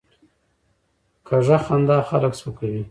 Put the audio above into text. کوږه خندا خلک سپکوي